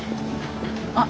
あっ！